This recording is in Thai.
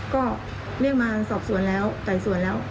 ก็เรียกมาสอบสวนแล้วไต่สวนแล้ว